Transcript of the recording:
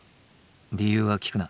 理由は聞くな。